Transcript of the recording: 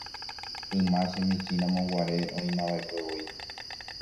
yma chemichĩramo guare oĩmava'ekuevoi